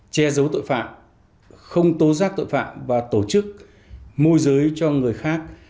che giấu tội phạm không tố giác tội phạm và tổ chức môi giới cho người khác